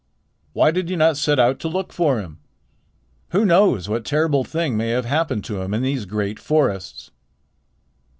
Why did you not set out to look for him? Who knows what terrible thing may have happened to him in these great forests?"